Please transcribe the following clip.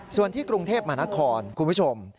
ส่วนที่กรุงเทพมหานครคุณผู้ชม